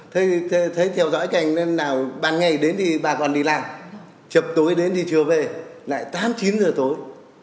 thấy theo dõi cảnh nên là ban ngày đến thì bà còn đi làm chập tối đến thì trưa về lại tám chín giờ tối